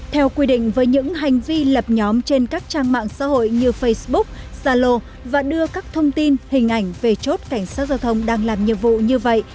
theo quy định với những hành vi lập nhóm trên các trang mạng xã hội như facebook zalo và đưa các thông tin hình ảnh về chốt cảnh sát giao thông đang làm nhiệm vụ như vậy